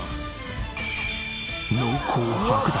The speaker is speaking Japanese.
濃厚白濁！